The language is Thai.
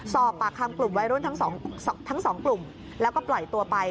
สอบปากคำกลุ่มวัยรุ่นทั้งสองกลุ่มแล้วก็ปล่อยตัวไป